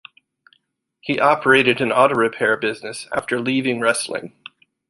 He operated an auto repair business after leaving wrestling.